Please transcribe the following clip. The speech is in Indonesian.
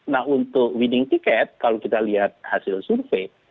nah untuk winning ticket kalau kita lihat hasil survei